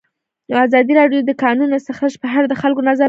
ازادي راډیو د د کانونو استخراج په اړه د خلکو نظرونه خپاره کړي.